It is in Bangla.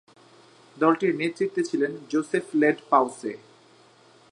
দলটির নেতৃত্বে ছিলেন জোসেফ লেড পাওসে।